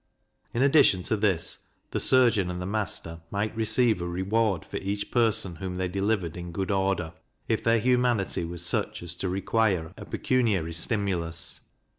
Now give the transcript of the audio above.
In addition to this, the surgeon and the master might receive a reward for each person whom they delivered in good order, if their humanity was such as to require a pecuniary stimulus.